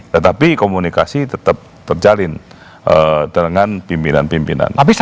tetapi komunikasi tetap terjalin dengan pimpinan pimpinan